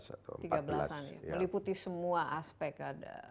meliputi semua aspek ada